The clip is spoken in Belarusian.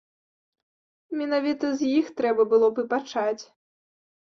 Менавіта з іх трэба было б і пачаць.